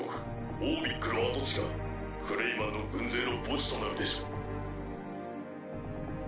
オービックの跡地がクレイマンの軍勢の墓地となるでしょう。